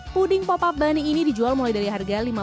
puding pop up bunny ini dijual mulai dari harga